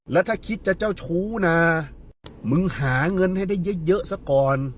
แล้วถ้าคิดจะเจ้าชู้นะมึงหาเงินให้ได้เยอะซะก่อน